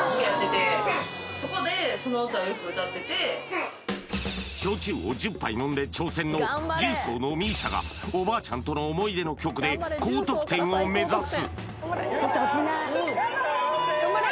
はい焼酎を１０杯飲んで挑戦の十三のＭＩＳＩＡがおばあちゃんとの思い出の曲で高得点を目指す